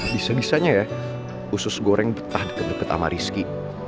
bisa bisanya ya usus goreng betah deket deket sama rizky